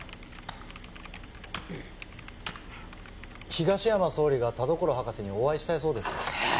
東山総理が田所博士にお会いしたいそうですああ